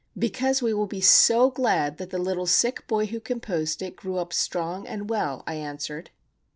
"Because we will be so glad that the little sick boy who composed it grew up strong and well," I answered.